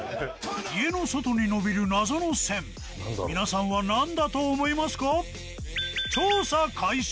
家の外に伸びる謎の線皆さんは何だと思いますか？